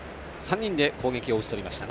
３人で攻撃を打ち取りました。